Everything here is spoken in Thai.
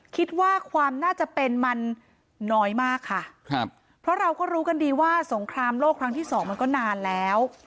คิดว่าความน่าจะเป็นมันน้อยมากค่ะครับเพราะเราก็รู้กันดีว่าสงครามโลกครั้งที่สองมันก็นานแล้ว